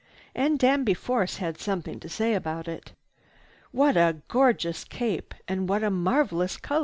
And Danby Force had something to say about it. "What a gorgeous cape, and what marvelous color!"